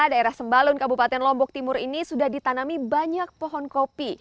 daerah sembalun kabupaten lombok timur ini sudah ditanami banyak pohon kopi